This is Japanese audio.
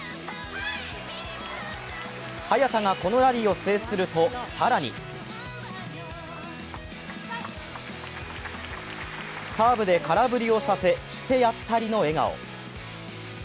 早田がこのラリーを制すると更にサーブで空振りをさせ、してやったりの笑顔。